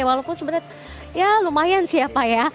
walaupun sebenarnya ya lumayan sih ya pak ya